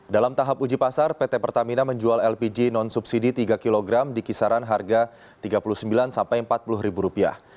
dalam tahap uji pasar pt pertamina menjual lpg non subsidi tiga kg di kisaran harga tiga puluh sembilan sampai empat puluh ribu rupiah